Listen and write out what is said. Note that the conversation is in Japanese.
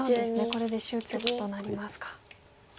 これで終局となりますか。